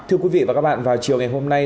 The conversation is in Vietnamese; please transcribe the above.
thưa quý vị và các bạn vào chiều ngày hôm nay